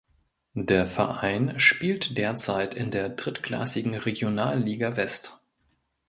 Der Verein spielt derzeit in der drittklassigen Regionalliga West.